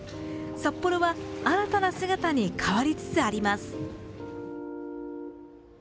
札幌は新たな姿に変わりつつあります。